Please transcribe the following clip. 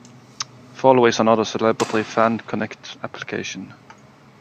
Follo is another celebrity Fan-connect application.